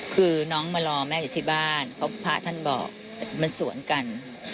คือน้องมารอแม่อยู่ที่บ้านเพราะพระท่านบอกมันสวนกัน